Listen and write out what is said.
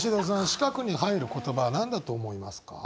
四角に入る言葉何だと思いますか？